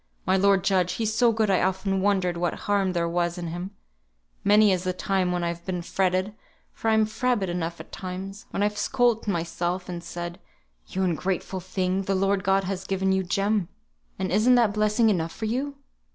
My lord judge, he's so good I often wondered what harm there was in him; many is the time when I've been fretted (for I'm frabbit enough at times), when I've scold't myself, and said, 'You ungrateful thing, the Lord God has given you Jem, and isn't that blessing enough for you?'